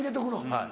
はい。